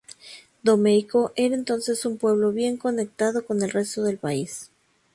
Domeyko era entonces un pueblo bien conectado con el resto del país.